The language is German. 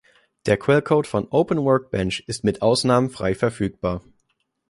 Der Quellcode von Open Workbench ist mit Ausnahmen frei verfügbar.